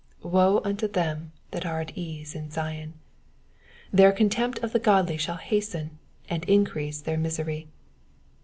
Woe unto them that are at ease in Zion ; their contempt of the godly shall hasten and increase their misery.